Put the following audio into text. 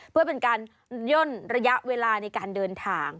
เพื่อเป็นการย่นระยะเวลาในการเดินทาง